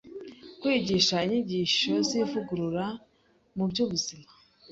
kwigisha inyigisho z’ivugurura mu by’ubuzima.